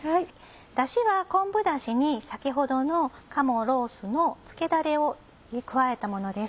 ダシは昆布ダシに先ほどの鴨ロースのつけだれを加えたものです。